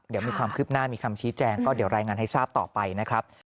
เดี๋ยวมีความคืบหน้ามีคำชี้แจงก็เดี๋ยวรายงานให้ทราบต่อไปนะครับ